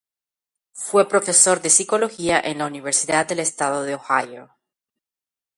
Fue profesor de psicología en la Universidad del Estado de Ohio.